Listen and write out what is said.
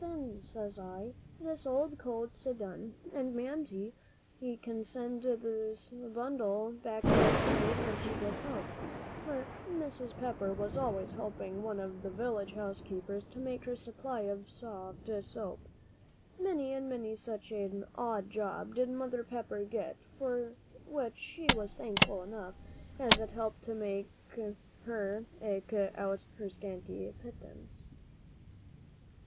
"Then, says I, this old coat's done, and Mamsie can send the bundle back to night when she gets home" for Mrs. Pepper was away helping one of the village housekeepers to make her supply of soft soap. Many and many such an odd job did Mother Pepper get, for which she was thankful enough, as it helped her to eke out her scanty pittance.